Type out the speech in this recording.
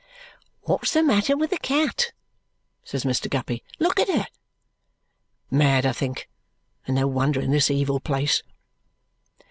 "What's the matter with the cat?" says Mr. Guppy. "Look at her!" "Mad, I think. And no wonder in this evil place."